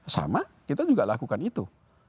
sama kita juga lakukan itu